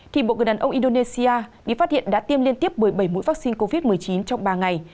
thì bộ người đàn ông indonesia bị phát hiện đã tiêm liên tiếp một mươi bảy mũi vắc xin covid một mươi chín trong ba ngày